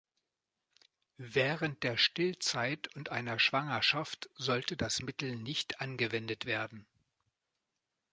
Während der Stillzeit und einer Schwangerschaft sollte das Mittel nicht angewendet werden.